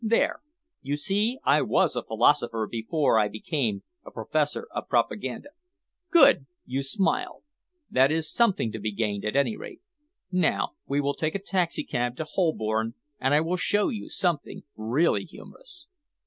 There! You see, I was a philosopher before I became a professor of propaganda. Good! You smile. That is something gained, at any rate. Now we will take a taxicab to Holborn and I will show you something really humorous."